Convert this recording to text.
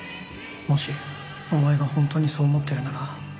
もしお前がホントにそう思ってるなら